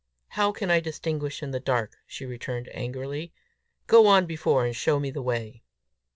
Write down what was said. "How can I distinguish in the dark?" she returned angrily. "Go on before, and show me the way."